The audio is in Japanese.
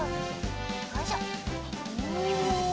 よいしょお！